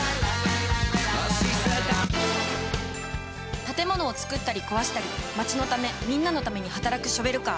建物を造ったりこわしたり街のためみんなのために働くショベルカー。